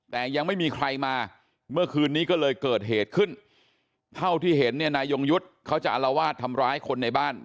แต่ยังไม่มีใครมาเมื่อคืนนี้ก็เลยเกิดเหตุขึ้นเท่าที่เห็นเนี่ยนายยงยุทธ์เขาจะอารวาสทำร้ายคนในบ้าน